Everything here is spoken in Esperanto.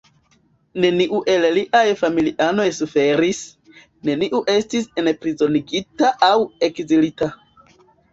Neniu el liaj familianoj suferis; neniu estis enprizonigita aŭ ekzilita.